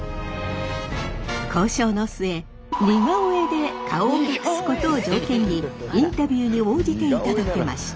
交渉の末似顔絵で顔を隠すことを条件にインタビューに応じていただけました。